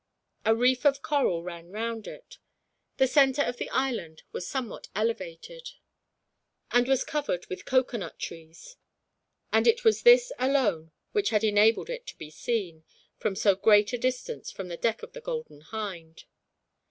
A reef of coral ran round it. The center of the island was somewhat elevated, and was covered with coconut trees; and it was this, alone, which had enabled it to be seen, from so great a distance, from the deck of the Golden Hind.